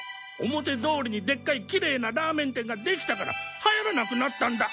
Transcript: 表通りにでっかいきれいなラーメン店ができたからはやらなくなったんだ！